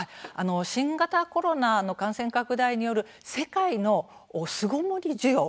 新型コロナの感染拡大による世界の巣ごもり需要